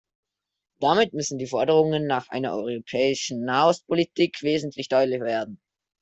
Damit müssen die Forderungen nach einer europäischen Nahostpolitik wesentlich deutlicher werden.